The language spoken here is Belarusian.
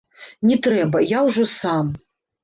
Не трэба, я ўжо сам.